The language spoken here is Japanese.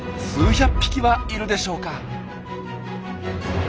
数百匹はいるでしょうか。